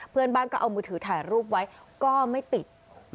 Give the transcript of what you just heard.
เพื่อนบ้านก็เอามือถือถ่ายรูปไว้ก็ไม่ติด